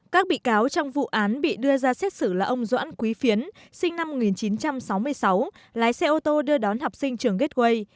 các bị cáo trong vụ án bị đưa ra xét xử là ông doãn quý phiến sinh năm một nghìn chín trăm sáu mươi sáu lái xe ô tô đưa đón học sinh trường gateway